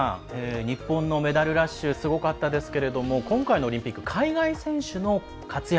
日本のメダルラッシュすごかったんですけれども今回のオリンピック海外選手の活躍